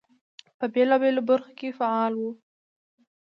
په بېلابېلو برخو کې فعال وو.